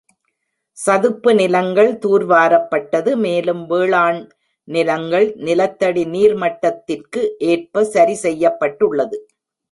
சதுப்பு நிலங்கள் தூர்வாரப்பட்டது, மேலும் வேளாண் நிலங்கள் நிலத்தடி நீர்மட்டத்திற்கு ஏற்ப சரிசெய்யப்பட்டுள்ளது.